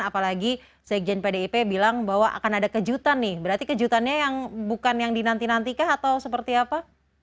apalagi sekjen pdip bilang bahwa akan ada kejutan nih berarti kejutannya yang bukan yang dinanti nantikah atau seperti apa